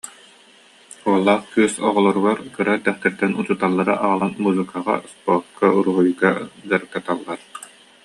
Уоллаах кыыс оҕолоругар кыра эрдэхтэриттэн учууталлары аҕалан музыкаҕа, спорка, уруһуйга дьарыктаталлар